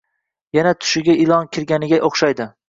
Yana tushiga ilon kirganga o`xshaydi